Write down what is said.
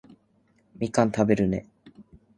みかん食べるね